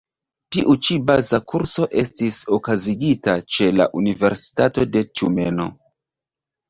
Tiu ci baza kurso estis okazigita ce la universitato en Tjumeno.